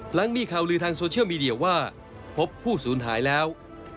หลังมีข่าวลือทางโซเชียลมีเดียว่าพบผู้สูญหายแล้ว